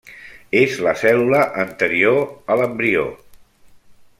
És la cèl·lula anterior a l'embrió.